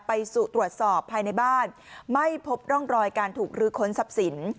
ไปสู่ตรวจสอบภายในบ้านไม่พบร่องรอยการถูกรื้อค้นทรัพย์สิน